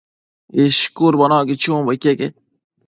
ishcudbono chunbo iqueque